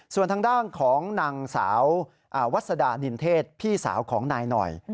ส่วนทางด้านของนางสาววัสดานินเทศพี่สาวของนายหน่อย